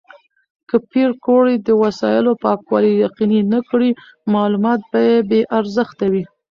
که پېیر کوري د وسایلو پاکوالي یقیني نه کړي، معلومات به بې ارزښته وي.